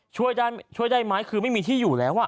ช่วยได้ไหมคือไม่มีที่อยู่แล้ว